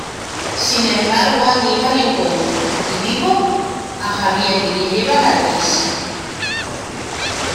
Sin embargo Aníbal encuentra, y vivo, a Javier y le lleva a la dehesa.